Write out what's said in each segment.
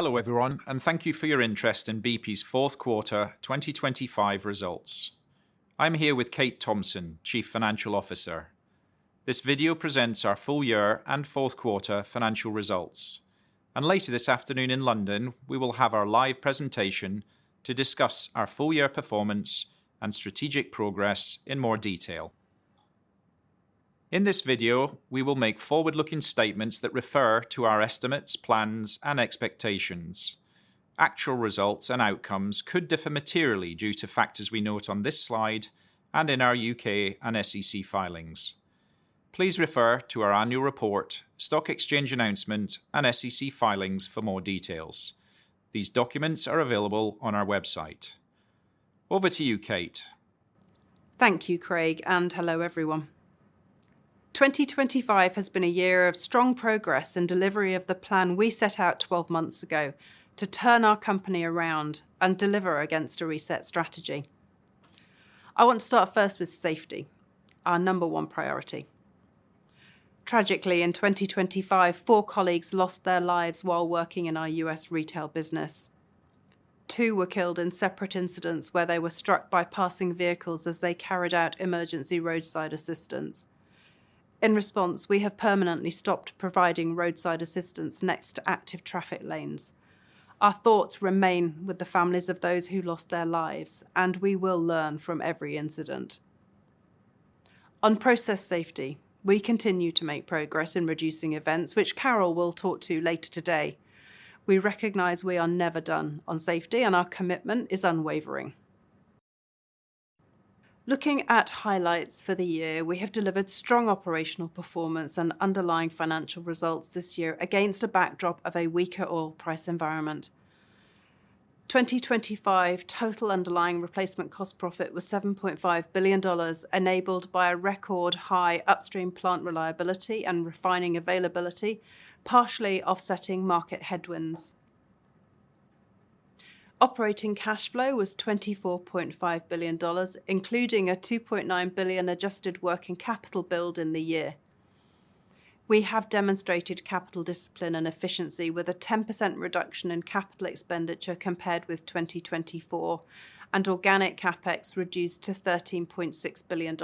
Hello, everyone, and thank you for your interest in BP's fourth quarter 2025 results. I'm here with Kate Thomson, Chief Financial Officer. This video presents our full year and fourth quarter financial results, and later this afternoon in London, we will have our live presentation to discuss our full-year performance and strategic progress in more detail. In this video, we will make forward-looking statements that refer to our estimates, plans, and expectations. Actual results and outcomes could differ materially due to factors we note on this slide and in our UK and SEC filings. Please refer to our annual report, stock exchange announcement, and SEC filings for more details. These documents are available on our website. Over to you, Kate. Thank you, Craig, and hello, everyone. 2025 has been a year of strong progress and delivery of the plan we set out 12 months ago to turn our company around and deliver against a reset strategy. I want to start first with safety, our number one priority. Tragically, in 2025, four colleagues lost their lives while working in our U.S. retail business. Two were killed in separate incidents where they were struck by passing vehicles as they carried out emergency roadside assistance. In response, we have permanently stopped providing roadside assistance next to active traffic lanes. Our thoughts remain with the families of those who lost their lives, and we will learn from every incident. On process safety, we continue to make progress in reducing events, which Carol will talk to later today. We recognize we are never done on safety, and our commitment is unwavering. Looking at highlights for the year, we have delivered strong operational performance and underlying financial results this year against a backdrop of a weaker oil price environment. 2025 total underlying replacement cost profit was $7.5 billion, enabled by a record-high upstream plant reliability and refining availability, partially offsetting market headwinds. Operating cash flow was $24.5 billion, including a $2.9 billion adjusted working capital build in the year. We have demonstrated capital discipline and efficiency with a 10% reduction in capital expenditure compared with 2024, and organic CapEx reduced to $13.6 billion.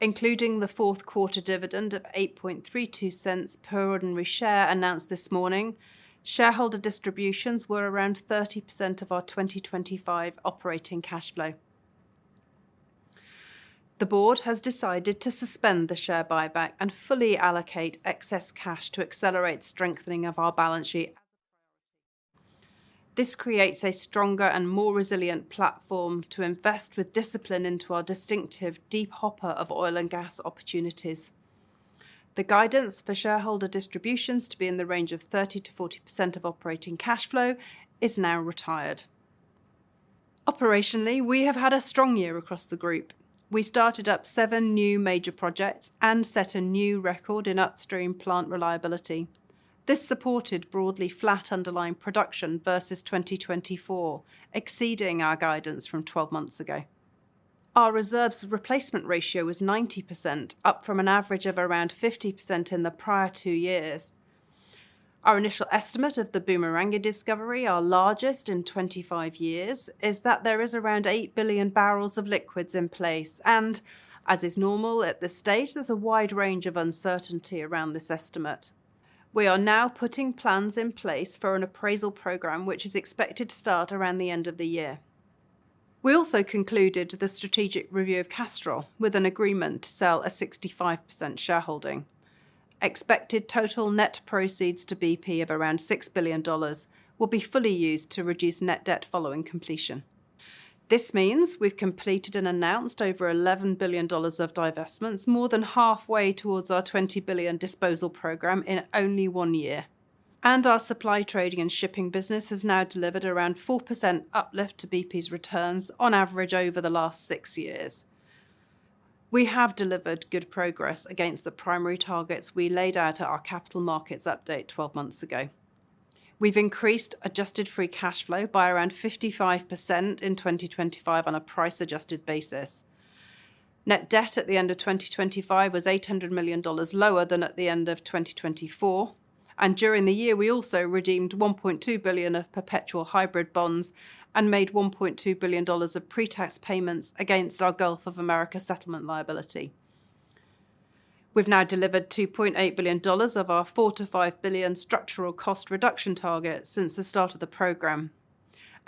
Including the fourth quarter dividend of $0.0832 per ordinary share announced this morning, shareholder distributions were around 30% of our 2025 operating cash flow. The board has decided to suspend the share buyback and fully allocate excess cash to accelerate strengthening of our balance sheet as a priority. This creates a stronger and more resilient platform to invest with discipline into our distinctive deep hopper of oil and gas opportunities. The guidance for shareholder distributions to be in the range of 30%-40% of operating cash flow is now retired. Operationally, we have had a strong year across the group. We started up seven new major projects and set a new record in upstream plant reliability. This supported broadly flat underlying production versus 2024, exceeding our guidance from 12 months ago. Our reserves replacement ratio was 90%, up from an average of around 50% in the prior two years. Our initial estimate of the Boomerang discovery, our largest in 25 years, is that there is around 8 billion barrels of liquids in place, and as is normal at this stage, there's a wide range of uncertainty around this estimate. We are now putting plans in place for an appraisal program, which is expected to start around the end of the year. We also concluded the strategic review of Castrol with an agreement to sell a 65% shareholding. Expected total net proceeds to BP of around $6 billion will be fully used to reduce net debt following completion. This means we've completed and announced over $11 billion of divestments, more than halfway towards our $20 billion disposal program in only 1 year. Our supply, trading, and shipping business has now delivered around 4% uplift to BP's returns on average over the last 6 years. We have delivered good progress against the primary targets we laid out at our capital markets update 12 months ago. We've increased adjusted free cash flow by around 55% in 2025 on a price-adjusted basis. Net debt at the end of 2025 was $800 million lower than at the end of 2024, and during the year, we also redeemed $1.2 billion of perpetual hybrid bonds and made $1.2 billion of pre-tax payments against our Gulf of America settlement liability. We've now delivered $2.8 billion of our $4 billion-$5 billion structural cost reduction target since the start of the program.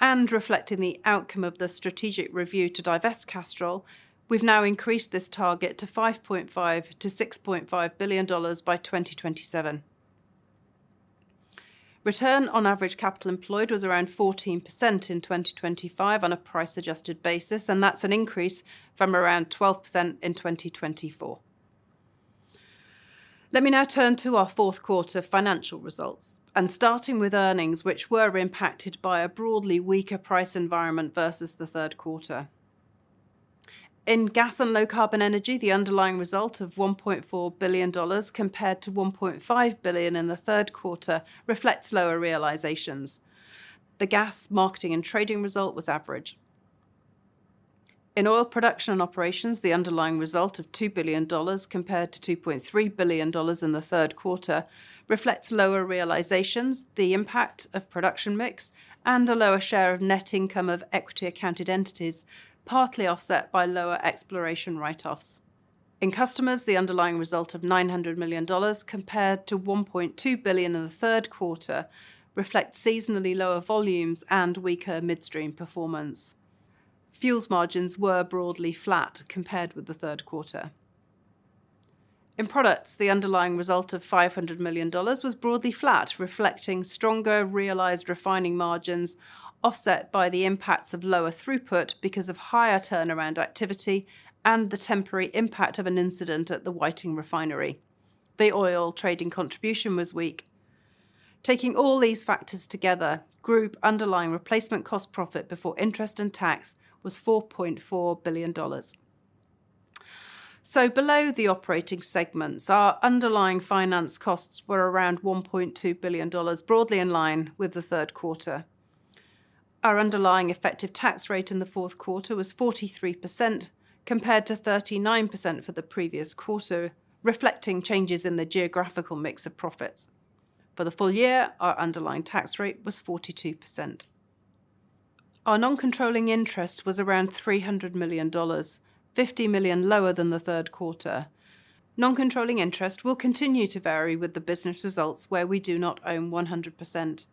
And reflecting the outcome of the strategic review to divest Castrol, we've now increased this target to $5.5 billion-$6.5 billion by 2027. Return on average capital employed was around 14% in 2025 on a price-adjusted basis, and that's an increase from around 12% in 2024. Let me now turn to our fourth quarter financial results, and starting with earnings, which were impacted by a broadly weaker price environment versus the third quarter. In Gas & Low Carbon Energy, the underlying result of $1.4 billion compared to $1.5 billion in the third quarter reflects lower realizations. The Gas Marketing & Trading result was average.... In Oil Production & Operations, the underlying result of $2 billion compared to $2.3 billion in the third quarter reflects lower realizations, the impact of production mix, and a lower share of net income of equity accounted entities, partly offset by lower exploration write-offs. In Customers, the underlying result of $900 million compared to $1.2 billion in the third quarter reflect seasonally lower volumes and weaker midstream performance. Fuels margins were broadly flat compared with the third quarter. In Products, the underlying result of $500 million was broadly flat, reflecting stronger realized refining margins, offset by the impacts of lower throughput because of higher turnaround activity and the temporary impact of an incident at the Whiting Refinery. The oil trading contribution was weak. Taking all these factors together, group underlying replacement cost profit before interest and tax was $4.4 billion. So below the operating segments, our underlying finance costs were around $1.2 billion, broadly in line with the third quarter. Our underlying effective tax rate in the fourth quarter was 43%, compared to 39% for the previous quarter, reflecting changes in the geographic mix of profits. For the full year, our underlying tax rate was 42%. Our non-controlling interest was around $300 million, $50 million lower than the third quarter. Non-controlling interest will continue to vary with the business results where we do not own 100%.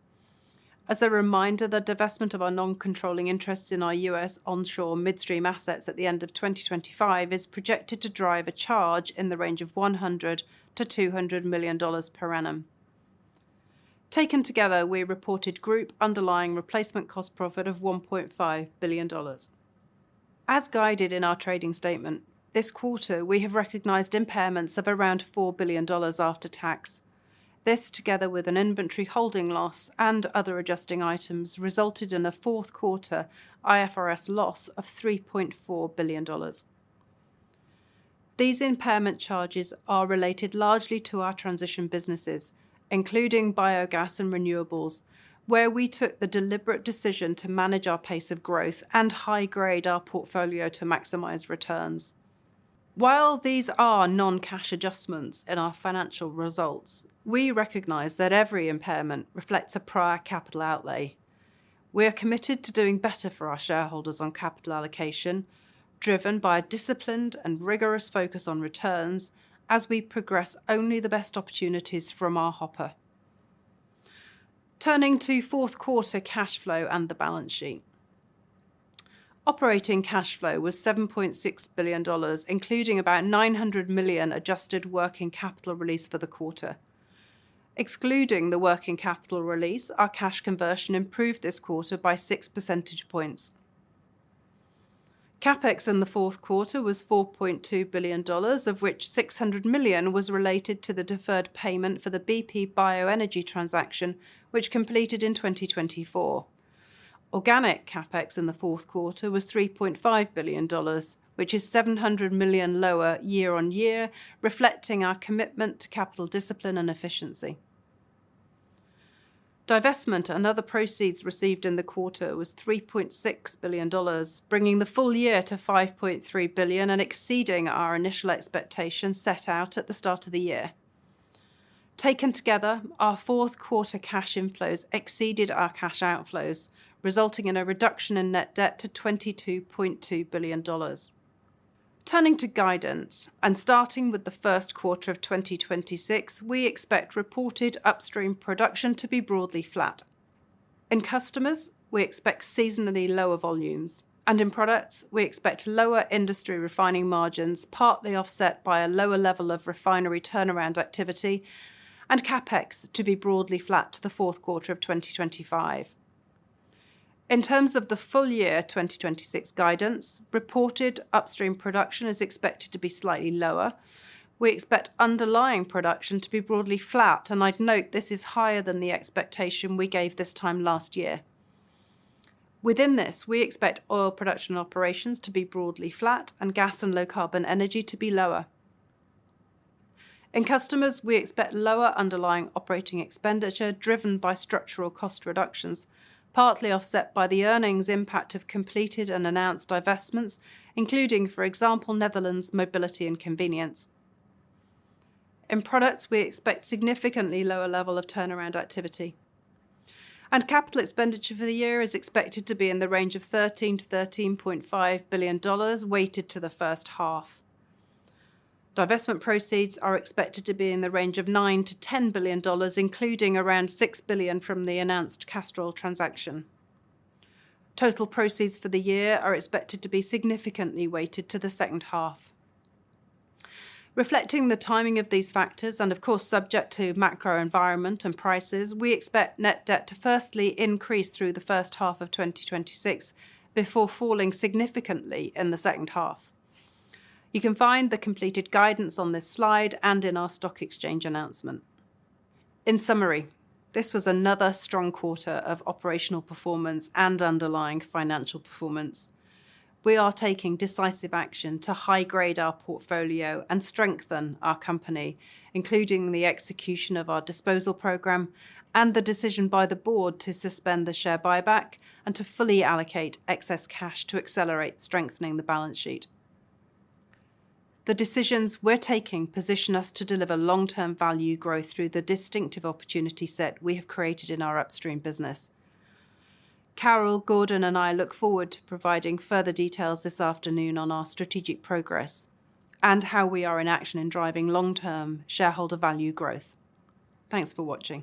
As a reminder, the divestment of our non-controlling interest in our US onshore midstream assets at the end of 2025 is projected to drive a charge in the range of $100 million-$200 million per annum. Taken together, we reported group underlying replacement cost profit of $1.5 billion. As guided in our trading statement, this quarter, we have recognized impairments of around $4 billion after tax. This, together with an inventory holding loss and other adjusting items, resulted in a fourth quarter IFRS loss of $3.4 billion. These impairment charges are related largely to our transition businesses, including biogas and renewables, where we took the deliberate decision to manage our pace of growth and high grade our portfolio to maximize returns. While these are non-cash adjustments in our financial results, we recognize that every impairment reflects a prior capital outlay. We are committed to doing better for our shareholders on capital allocation, driven by a disciplined and rigorous focus on returns as we progress only the best opportunities from our hopper. Turning to fourth quarter cash flow and the balance sheet. Operating cash flow was $7.6 billion, including about $900 million adjusted working capital release for the quarter. Excluding the working capital release, our cash conversion improved this quarter by 6 percentage points. CapEx in the fourth quarter was $4.2 billion, of which $600 million was related to the deferred payment for the BP Bioenergy transaction, which completed in 2024. Organic CapEx in the fourth quarter was $3.5 billion, which is $700 million lower year-on-year, reflecting our commitment to capital discipline and efficiency. Divestment and other proceeds received in the quarter was $3.6 billion, bringing the full year to $5.3 billion and exceeding our initial expectations set out at the start of the year. Taken together, our fourth quarter cash inflows exceeded our cash outflows, resulting in a reduction in net debt to $22.2 billion. Turning to guidance, and starting with the first quarter of 2026, we expect reported upstream production to be broadly flat. In Customers, we expect seasonally lower volumes, and in Products, we expect lower industry refining margins, partly offset by a lower level of refinery turnaround activity, and CapEx to be broadly flat to the fourth quarter of 2025. In terms of the full year 2026 guidance, reported upstream production is expected to be slightly lower. We expect underlying production to be broadly flat, and I'd note this is higher than the expectation we gave this time last year. Within this, we expect Oil Production & Operations to be broadly flat and gas and low carbon energy to be lower. In Customers, we expect lower underlying operating expenditure, driven by structural cost reductions, partly offset by the earnings impact of completed and announced divestments, including, for example, Netherlands Mobility and Convenience. In Products, we expect significantly lower level of turnaround activity. Capital expenditure for the year is expected to be in the range of $13 billion-$13.5 billion, weighted to the first half. Divestment proceeds are expected to be in the range of $9 billion-$10 billion, including around $6 billion from the announced Castrol transaction. Total proceeds for the year are expected to be significantly weighted to the second half. Reflecting the timing of these factors, and of course, subject to macro environment and prices, we expect net debt to firstly increase through the first half of 2026, before falling significantly in the second half. You can find the completed guidance on this slide and in our stock exchange announcement. In summary, this was another strong quarter of operational performance and underlying financial performance. We are taking decisive action to high grade our portfolio and strengthen our company, including the execution of our disposal program and the decision by the board to suspend the share buyback and to fully allocate excess cash to accelerate strengthening the balance sheet. The decisions we're taking position us to deliver long-term value growth through the distinctive opportunity set we have created in our upstream business. Carol, Gordon, and I look forward to providing further details this afternoon on our strategic progress and how we are in action in driving long-term shareholder value growth. Thanks for watching.